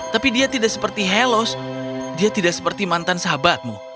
tapi dia tidak seperti helos dia tidak seperti mantan sahabatmu